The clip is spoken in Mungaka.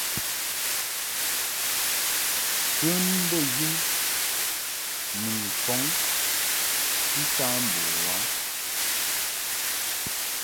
Nken bey um mun kɔŋ mfa mbo u a.